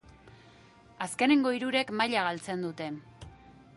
Azkenengo hirurek maila galtzen dute.